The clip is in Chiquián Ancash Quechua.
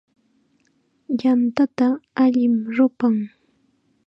Yantata allim rupan.